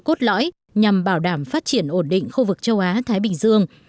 tăng cường lõi nhằm bảo đảm phát triển ổn định khu vực châu á thái bình dương